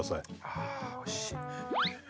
ああーおいしい！